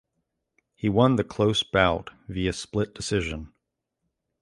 He won the close bout via split decision.